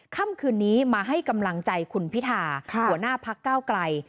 ค่ำคืนนี้มาให้กำลังใจคุณพิธาหัวหน้าพักเก้าไกล